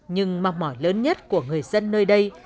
nhưng mọc mỏi lớn nhất của người dân nơi đây